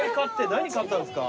何買ったんですか？